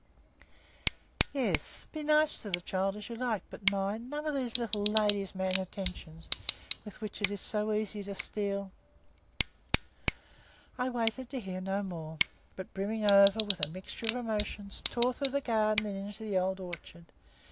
"Yes. Be as nice to the child as you like, but mind, none of those little ladies' man attentions with which it is so easy to steal " I waited to hear no more, but, brimming over with a mixture of emotions, tore through the garden and into the old orchard.